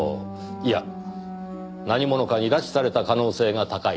いや何者かに拉致された可能性が高いと思います。